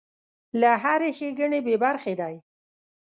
له هرې ښېګڼې بې برخې دی.